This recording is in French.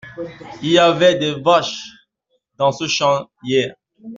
Il y avait des vaches dans ce champ hier.